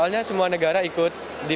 main bagus gitu pada ikut sini gitu